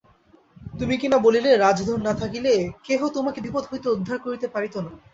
তুমি কিনা বলিলে রাজধর না থাকিলে কেহ তোমাকে বিপদ হইতে উদ্ধার করিতে পারিত না।